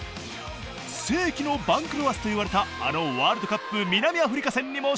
世紀の番狂わせといわれたあのワールドカップ南アフリカ戦にも出場。